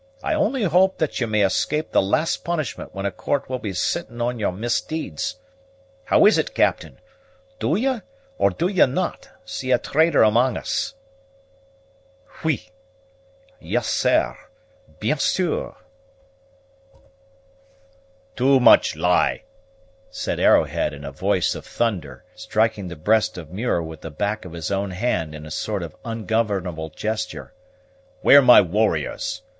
I only hope that ye may escape the last punishment when a court will be sitting on your misdeeds. How is it, Captain; do ye, or do ye not, see a traitor amang us?" "Oui yes, sair bien sur." "Too much lie!" said Arrowhead in a voice of thunder, striking the breast of Muir with the back of his own hand in a sort of ungovernable gesture; "where my warriors?